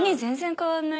変わんない？